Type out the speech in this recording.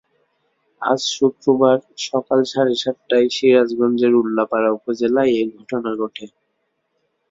আজ শুক্রবার সকাল সাড়ে সাতটায় সিরাজগঞ্জের উল্লাপাড়া উপজেলায় এ ঘটনা ঘটে।